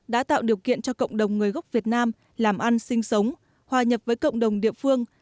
đã tạo điều kiện cho cộng đồng người gốc việt nam làm ăn sinh sống hòa nhập với cộng đồng địa phương